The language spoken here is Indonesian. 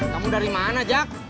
kamu dari mana jack